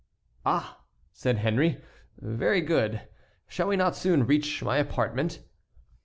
"Ah!" said Henry, "very good. Shall we not soon reach my apartment?"